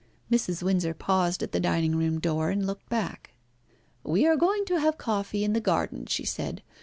Mrs. Windsor paused at the dining room door and looked back. "We are going to have coffee in the garden," she said.